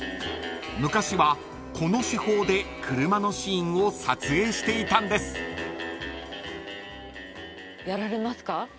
［昔はこの手法で車のシーンを撮影していたんです］やられますか？